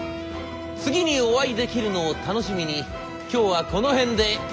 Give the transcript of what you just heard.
次にお会いできるのを楽しみに今日はこの辺で失礼をさせていただきます。